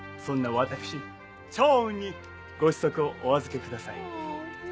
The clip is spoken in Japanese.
そんな私趙雲にご子息をお預けください。